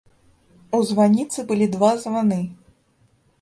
У званіцы былі два званы.